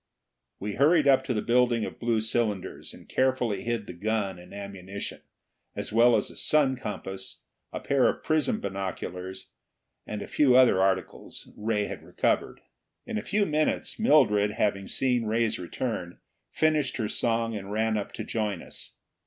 We hurried up to the building of blue cylinders and carefully hid the gun and ammunition, as well as a sun compass, a pair of prism binoculars, and a few other articles Ray had recovered. In a few minutes Mildred, having seen Ray's return, finished her song and ran up to join us.